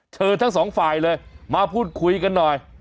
ทั้งสองฝ่ายเลยมาพูดคุยกันหน่อย